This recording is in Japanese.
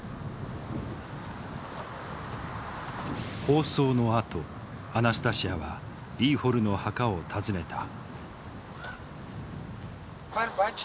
放送のあとアナスタシヤはイーホルの墓を訪ねた。